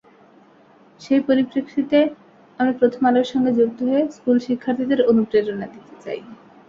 সেই পরিপ্রেক্ষিতে আমরা প্রথম আলোর সঙ্গে যুক্ত হয়ে স্কুলশিক্ষার্থীদের অনুপ্রেরণা দিতে চাই।